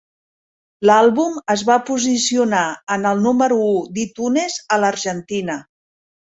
L'àlbum es va posicionar en el número u d'iTunes a l'Argentina.